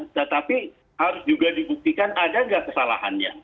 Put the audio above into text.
tetapi harus juga dibuktikan ada nggak kesalahannya